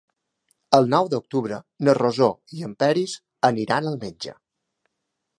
El nou d'octubre na Rosó i en Peris aniran al metge.